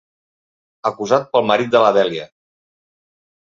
Acusat pel marit de la Dèlia.